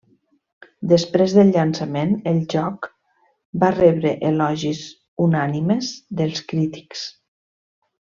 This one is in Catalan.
Després del llançament, el joc va rebre elogis unànimes dels crítics.